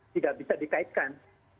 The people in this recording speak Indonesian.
tidak bisa dikaitkan